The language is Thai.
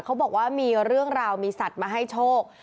เขาบอกว่ามีเรื่องราวมีสัตว์มาให้โชค